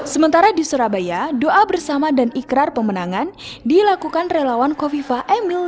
sementara di surabaya doa bersama dan ikrar pemenangan dilakukan relawan kofifa emil